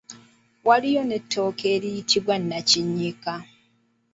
Waliwo n’ettooke eriyitibwa nnakinnyika.